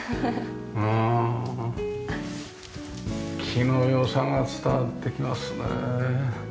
木の良さが伝わってきますね。